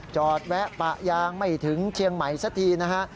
แวะปะยางไม่ถึงเชียงใหม่สักทีนะฮะ